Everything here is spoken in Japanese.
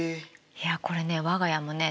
いやこれね我が家もね